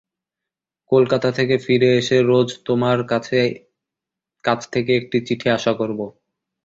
কলকাতা থেকে ফিরে এসে রোজ তোমার কাছ থেকে একটি চিঠি আশা করব।